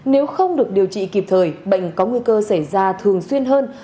nếu không được điều trị kịp thời bệnh có nguy cơ xảy ra thường xuyên hơn